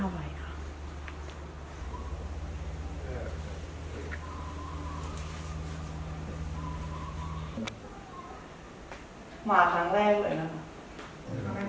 ๕๕ไวค่ะ